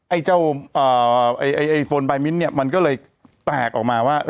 ไอ้เจ้าไอ้โฟนบายมิ้นเนี่ยมันก็เลยแตกออกมาว่า